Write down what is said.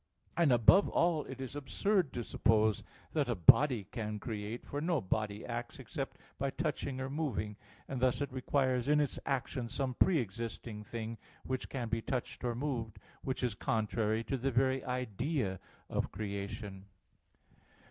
And above all it is absurd to suppose that a body can create, for no body acts except by touching or moving; and thus it requires in its action some pre existing thing, which can be touched or moved, which is contrary to the very idea of creation.